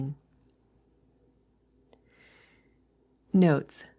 Notes.